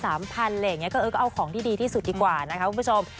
คือราคาเนี่ยมันต่างกัน๒๓พันเนี่ยก็เอาของที่ดีที่สุดดีกว่านะครับคุณผู้ชม